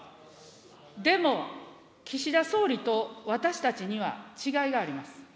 でも、岸田総理と私たちには違いがあります。